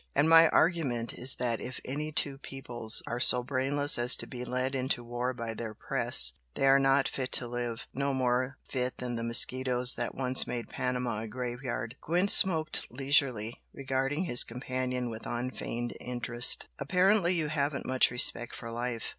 And my argument is that if any two peoples are so brainless as to be led into war by their press, they are not fit to live no more fit than the mosquitoes that once made Panama a graveyard." Gwent smoked leisurely, regarding his companion with unfeigned interest. "Apparently you haven't much respect for life?"